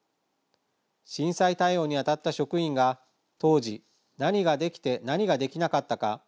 震災対応に当たった職員が当時、何ができて何ができなかったか。